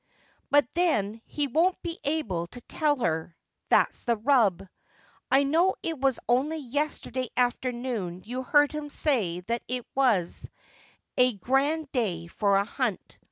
But then, he won't be able to tell her. That's the rub. I know it was only yesterday afternoon you heard him say that it was a grand day for a hunt.